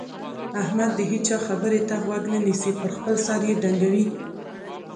احمد د هيچا خبرې ته غوږ نه نيسي؛ پر خپل سر يې ډنګوي.